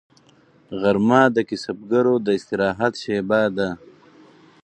غرمه د کسبګرو د استراحت شیبه ده